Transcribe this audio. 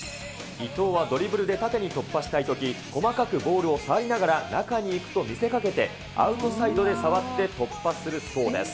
伊東はドリブルで縦に突破したいとき、細かくボールを触りながら中に行くと見せかけて、アウトサイドで触って突破するそうです。